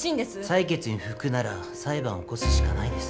裁決に不服なら裁判を起こすしかないです。